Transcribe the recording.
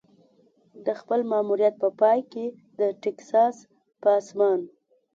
د خپل ماموریت په پای کې د ټیکساس په اسمان.